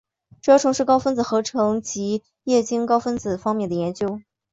主要从事高分子合成及液晶高分子方面的研究。